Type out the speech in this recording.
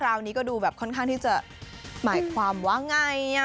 ราวนี้ก็ดูแบบค่อนข้างที่จะหมายความว่าไง